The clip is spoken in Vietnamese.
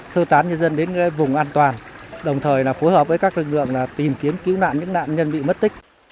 sơ tán nhân dân đến vùng an toàn đồng thời phối hợp với các lực lượng tìm kiếm cứu nạn những nạn nhân bị mất tích